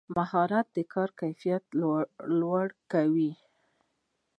مهارت کار ته کیفیت ورکوي.